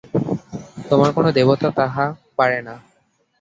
তোমার কোনো দেবতা তাহা পারে না।